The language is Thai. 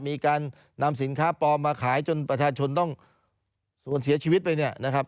มีการนำสินค้าปลอมมาขายจนประชาชนต้องสูญเสียชีวิตไปเนี่ยนะครับ